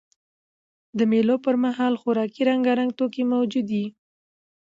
د مېلو پر مهال خوراکي رنګارنګ توکي موجود يي.